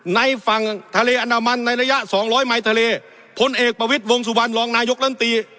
ในฝั่งทะเลอันดามันในระยะสองร้อยไมค์ทะเลพลเอกประวิทย์วงสุวรรณรองนายกลำตี